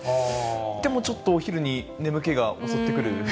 でもちょっとお昼に眠気が襲ってくる。